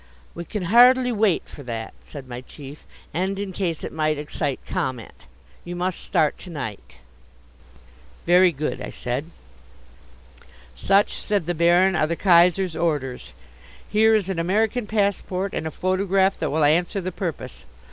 "We can hardly wait for that," said my chief, "and in case it might excite comment. You must start to night!" "Very good," I said. "Such," said the Baron, "are the Kaiser's orders. Here is an American passport and a photograph that will answer the purpose.